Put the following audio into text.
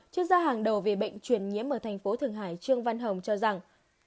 chuyên gia hàng đầu về bệnh truyền nhiễm ở thành phố thường hải trương văn hồng cho rằng